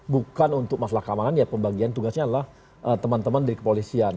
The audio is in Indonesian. bukan untuk masalah keamanan ya pembagian tugasnya adalah teman teman dari kepolisian